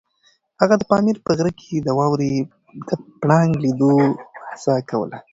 هغه د پامیر په غره کې د واورې پړانګ د لیدو هڅه کوله.